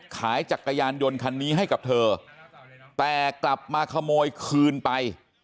จักรยานยนต์คันนี้ให้กับเธอแต่กลับมาขโมยคืนไป